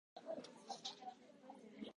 風が吹き雨が降って、寒く冷たいさま。